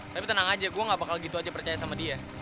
tapi tenang aja gue gak bakal gitu aja percaya sama dia